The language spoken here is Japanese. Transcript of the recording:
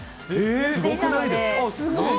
すごい。